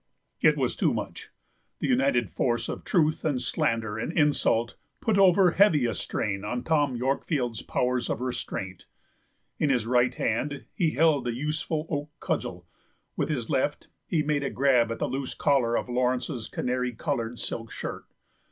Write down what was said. It was too much. The united force of truth and slander and insult put over heavy a strain on Tom Yorkfield's powers of restraint. In his right hand he held a useful oak cudgel, with his left he made a grab at the loose collar of Laurence's canary coloured silk shirt.